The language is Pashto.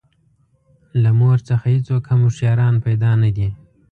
له مور څخه هېڅوک هم هوښیاران پیدا نه دي.